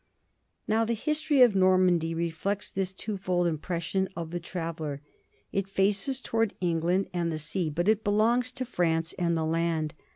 Now the history of Normandy reflects this twofold impression of the traveller: it faces toward England and the sea, but it belongs to France and the land.